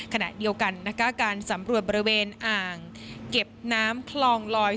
ขณะเดียวกันนะคะการสำรวจบริเวณอ่างเก็บน้ำคลองลอย